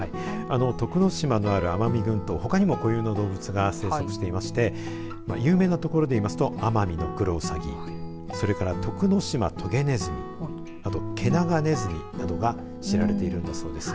徳之島のある奄美群島はほかにも固有の動物が生息していまして有名な所でいいますとアマミノクロウサギそれからトクノシマトゲネズミあと、ケナガネズミなどが知られているそうです。